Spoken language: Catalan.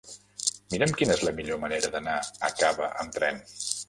Mira'm quina és la millor manera d'anar a Cava amb tren.